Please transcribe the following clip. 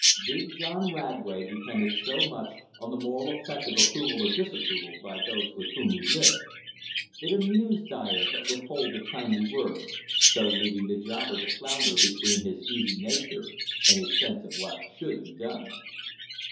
Big John Radway depended so much on the moral effect of approval or disapproval by those with whom he lived. It amused Dyer to withhold the timely word, so leaving the jobber to flounder between his easy nature and his sense of what should be done.